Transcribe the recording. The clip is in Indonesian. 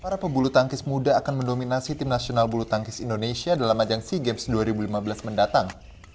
para pebulu tangkis muda akan mendominasi tim nasional bulu tangkis indonesia dalam ajang sea games dua ribu lima belas mendatang